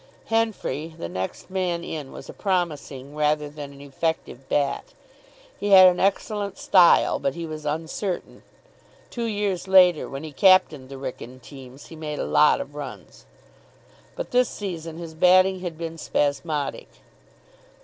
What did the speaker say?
Henfrey, the next man in, was a promising rather than an effective bat. He had an excellent style, but he was uncertain. (Two years later, when he captained the Wrykyn teams, he made a lot of runs.) But this season his batting had been spasmodic.